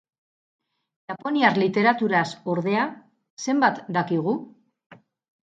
Japoniar literaturaz ordea, zenbat dakigu?